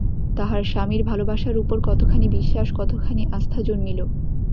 তাহার স্বামীর ভালবাসার উপর কতখানি বিশ্বাস, কতখানি আস্থা জন্মিল!